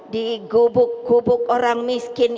digubuk gubuk orang miskin